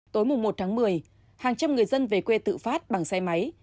tối một tháng một mươi hàng trăm người dân về quê tự phát bằng xe máy